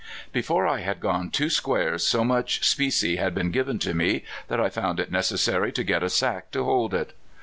Before I had gone two squares so much specie had been given me that I found it necessary to get a sack to liold it.